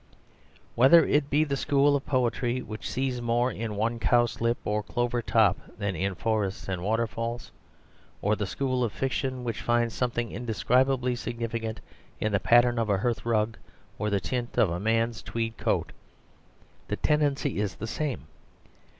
Whether it be the school of poetry which sees more in one cowslip or clover top than in forests and waterfalls, or the school of fiction which finds something indescribably significant in the pattern of a hearth rug, or the tint of a man's tweed coat, the tendency is the same.